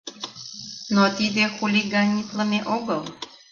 Но тиде хулиганитлыме огыл.